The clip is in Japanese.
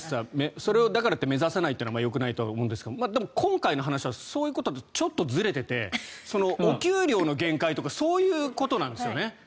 それを、だからって目指さないというのはよくないと思うんですがでも、今回の話はそういうこととちょっとずれていてお給料の限界とかそういうことなんですよね。